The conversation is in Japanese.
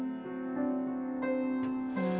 うん。